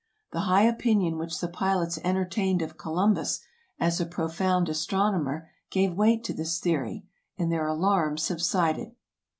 The high opinion which the pilots entertained of Columbus as a profound astronomer gave weight to this theory, and their alarm subsided.